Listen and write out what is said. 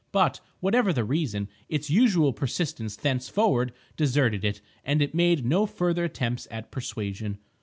But, whatever the reason, its usual persistence thenceforward deserted it, and it made no further attempts at persuasion.